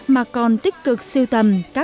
mà còn tích cực siêu tầm các bài hát